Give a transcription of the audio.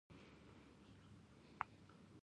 افغانستان کې جلګه د هنر په اثار کې منعکس کېږي.